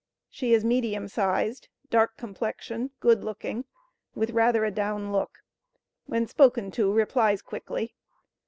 She is medium sized, dark complexion, good looking, with rather a down look. When spoken to, replies quickly.